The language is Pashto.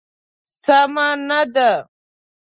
سمه نه ده.